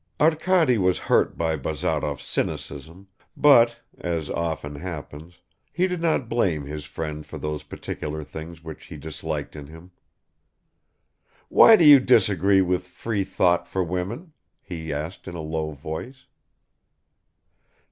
Arkady was hurt by Bazarov's cynicism, but as often happens he did not blame his friend for those particular things which he disliked in him ... "Why do you disagree with free thought for women?" he asked in a low voice.